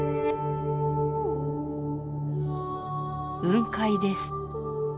雲海です